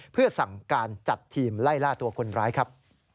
เพื่อสั่งการจัดทีมไล่ล่าตัวคนร้ายครับ